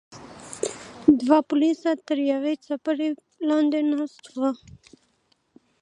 دوه پولیس تر یوې څپرې لاندې ناست وو.